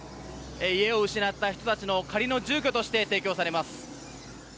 家を失った人たちの仮の住居として提供されます。